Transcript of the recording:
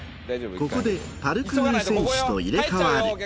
ここでパルクール選手と入れ代わり。